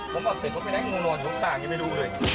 ผมบอกเต็ดผมไปที่ไหนงูนอนชมตากจะไปหลู้เลย